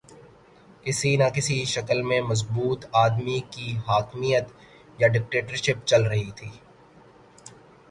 کسی نہ کسی شکل میں مضبوط آدمی کی حاکمیت یا ڈکٹیٹرشپ چل رہی تھی۔